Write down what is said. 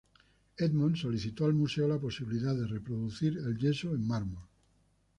Edmond solicitó al museo la posibilidad de reproducir el yeso en mármol.